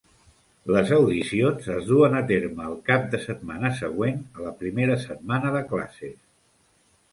Les audicions es duen a terme el cap de setmana següent a la primera setmana de classes.